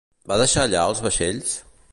Va deixar allà els vaixells?